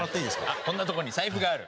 あっこんなとこに財布がある。